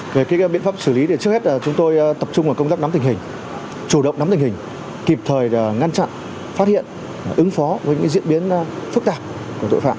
về biện pháp xử lý thì trước hết chúng tôi tập trung vào công tác nắm tình hình chủ động nắm tình hình kịp thời ngăn chặn phát hiện ứng phó với những diễn biến phức tạp của tội phạm